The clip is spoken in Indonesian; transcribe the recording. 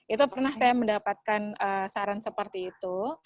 itu pernah saya mendapatkan saran seperti itu